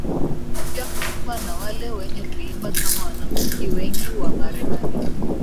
Pia kulikuwa na wale wenye kuimba kama wanamuziki wengi wa Marekani